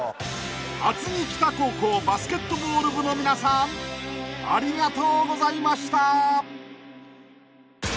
［厚木北高校バスケットボール部の皆さんありがとうございました］